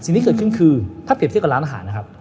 สิ่งที่เกิดขึ้นคือถ้าเปรียบเทียบกับร้านอาหารนะครับ